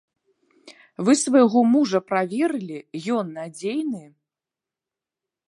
Вы свайго мужа праверылі, ён надзейны?